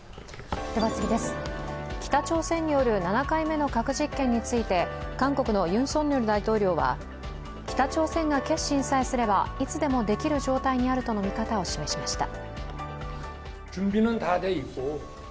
北朝鮮による７回目の核実験について韓国のユン・ソンニョル大統領は北朝鮮が決心さえすればいつでもできる状態にあるとの見方を示しました。